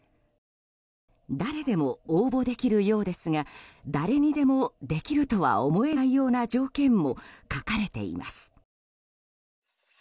誰でも応募できるようですが誰にでもできるとは思えないような条件も書かれています。